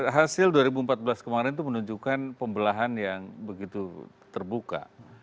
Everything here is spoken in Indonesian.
hasil dua ribu empat belas kemarin itu menunjukkan pembelahan yang begitu terbuka